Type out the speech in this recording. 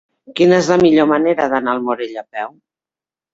Quina és la millor manera d'anar al Morell a peu?